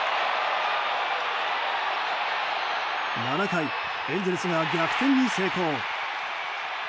７回、エンゼルスが逆転に成功。